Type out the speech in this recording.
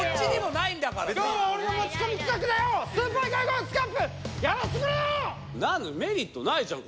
なんでメリットないじゃん